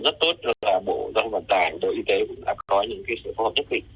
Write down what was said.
rất tốt là bộ dân vận tài bộ y tế cũng đã có những sử phóng chức định